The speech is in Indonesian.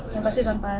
yang pasti tanpa